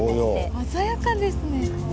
鮮やかですね！